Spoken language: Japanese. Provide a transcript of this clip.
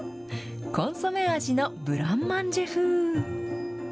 コンソメ味のブラン・マンジェ風。